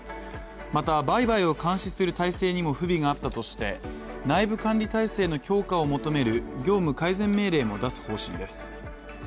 また、売買を監視する体制にも不備があったとして内部管理態勢の強化を求める業務改善命令も出す方針です。